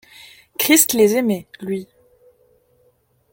Christ les aimait, lui.